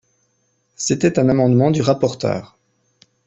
C’était un amendement du rapporteur.